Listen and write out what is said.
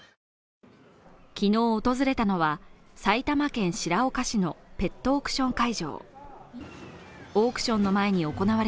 昨日訪れたのは、埼玉県白岡市のペットオークション会場。